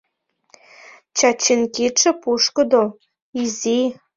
Чачин кидше пушкыдо, изи...